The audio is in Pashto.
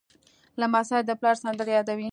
لمسی د پلار سندرې یادوي.